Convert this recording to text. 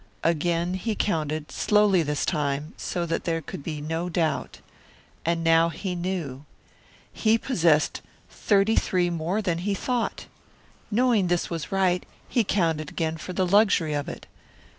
Again he counted, slowly this time, so that there could be no doubt. And now he knew! He possessed thirty three dollars more than he had thought. Knowing this was right, he counted again for the luxury of it.